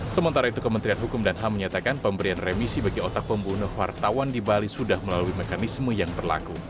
sementara itu kementerian hukum dan ham menyatakan pemberian remisi bagi otak pembunuh wartawan di bali sudah melalui mekanisme yang berlaku